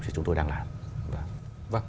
như chúng tôi đang làm